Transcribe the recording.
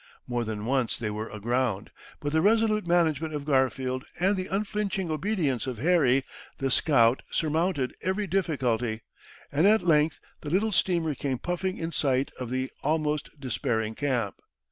More than once they were aground, but the resolute management of Garfield and the unflinching obedience of Harry the scout surmounted every difficulty, and at length the little steamer came puffing in sight of the almost despairing camp.